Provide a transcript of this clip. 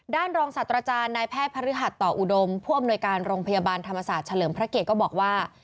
รองศาสตราจารย์นายแพทย์พระฤหัสต่ออุดมผู้อำนวยการโรงพยาบาลธรรมศาสตร์เฉลิมพระเกตก็บอกว่า